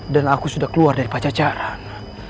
dan aku sudah keluar dari pacacaran